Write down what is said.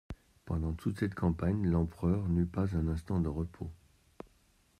Pendant toute cette campagne l'empereur n'eut pas un instant de repos.